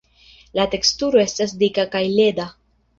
La teksturo estas dika kaj leda.